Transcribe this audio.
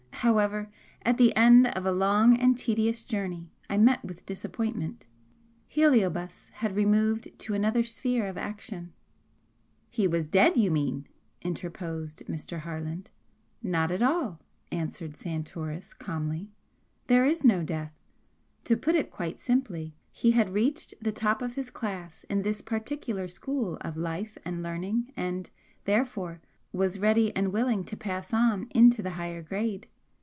However, at the end of a long and tedious journey, I met with disappointment Heliobas had removed to another sphere of action " "He was dead, you mean," interposed Mr. Harland. "Not at all," answered Santoris, calmly. "There is no death. To put it quite simply, he had reached the top of his class in this particular school of life and learning and, therefore, was ready and willing to pass on into the higher grade.